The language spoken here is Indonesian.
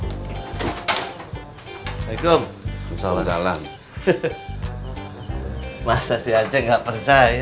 masa sih aja nggak percaya kalau tadi pagi yang teretual sekolah itu tatangnya itu ada yang berbicara